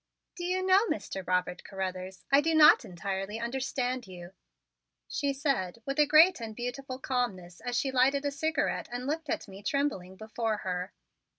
"Do you know, Mr. Robert Carruthers, I do not entirely understand you," she said with a great and beautiful calmness as she lighted a cigarette and looked at me trembling before her.